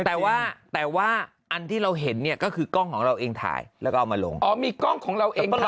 แต่ว่าแต่ว่าอันที่เราเห็นเนี่ยก็คือกล้องของเราเองถ่ายแล้วก็เอามาลงอ๋อมีกล้องของเราเองด้วย